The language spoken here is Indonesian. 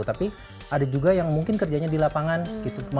tapi ada juga yang mungkin kerjanya di lapangan gitu